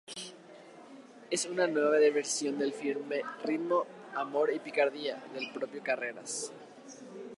Es una nueva versión del filme "Ritmo, amor y picardía", del propio Carreras.